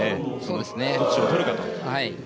どっちをとるかと。